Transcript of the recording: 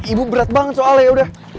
ibu berat banget soalnya yaudah